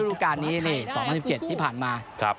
ดูการนี้ใน๒๐๑๗ที่ผ่านมา